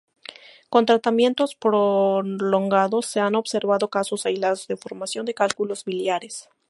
Con tratamientos prolongados se han observado casos aislados de formación de cálculos biliares.